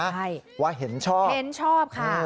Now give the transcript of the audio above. ใช่ว่าเห็นชอบเห็นชอบค่ะ